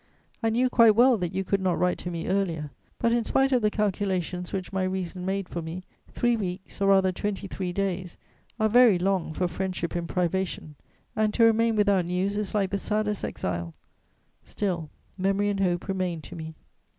I knew quite well that you could not write to me earlier; but in spite of the calculations which my reason made for me, three weeks, or rather twenty three days, are very long for friendship in privation, and to remain without news is like the saddest exile: still, memory and hope remained to me."